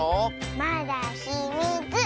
まだひみつ！